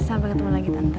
sampai ketemu lagi tante